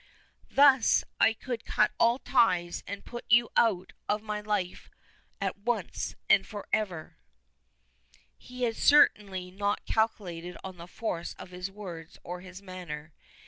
Thus I could cut all ties and put you out of my life at once and forever!" He had certainly not calculated on the force of his words or his manner.